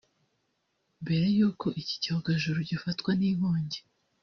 Mbere y’uko iki cyogajuru gifatwa n’inkongi